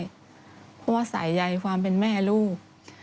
เพราะว่าสายใยความเป็นแม่ลูก